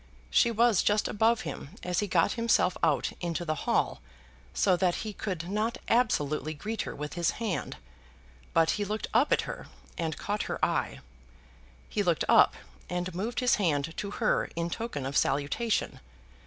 She was just above him as he got himself out into the hall, so that he could not absolutely greet her with his hand; but he looked up at her, and caught her eye. He looked up, and moved his hand to her in token of salutation.